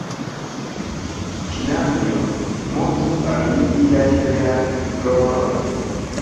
Knanjo! Montru al mi viajn belajn florojn!